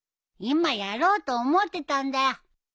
今やろうと思ってたんだよ。